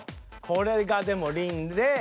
これがでもりんで。